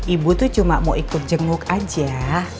ibu tuh cuma mau ikut jenguk aja